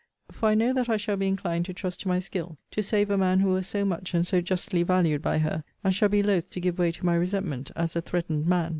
For I know that I shall be inclined to trust to my skill, to save a man who was so much and so justly valued by her; and shall be loath to give way to my resentment, as a threatened man.